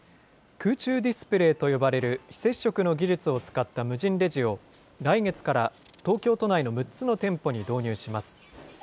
空中ディスプレーと呼ばれる非接触の技術を使った無人レジを、来月から東京都内の６つの店舗に導入します。